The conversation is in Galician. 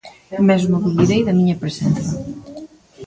Mesmo dubidei da miña presenza.